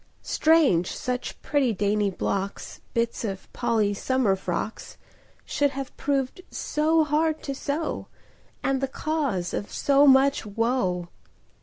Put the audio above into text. Strange such pretty, dainty blocks— Bits of Polly's summer frocks— Should have proved so hard to sew, And the cause of so much woe!